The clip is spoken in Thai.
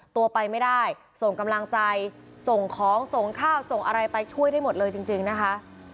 ตัวไปไม่ได้ส่งกำลังใจส่งของส่งข้าวส่งอะไรไปช่วยได้หมดเลยจริงนะคะ